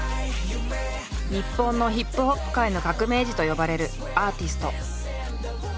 日本のＨＩＰＨＯＰ界の革命児と呼ばれるアーティスト。